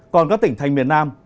còn các tỉnh thanh miền nam